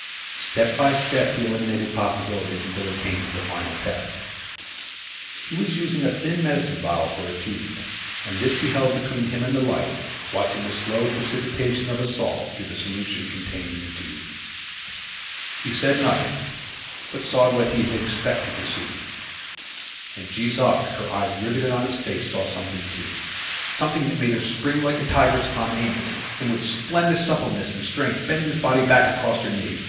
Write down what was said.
Step by step he eliminated possibilities, until he came to the final test. He was using a thin medicine vial for a tube, and this he held between him and the light, watching the slow precipitation of a salt through the solution contained in the tube. He said nothing, but he saw what he had expected to see. And Jees Uck, her eyes riveted on his face, saw something too, something that made her spring like a tigress upon Amos, and with splendid suppleness and strength bend his body back across her knee.